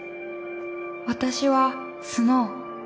私はスノウ。